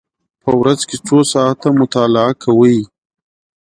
په ورځ کې څو ساعته مطالعه کوئ؟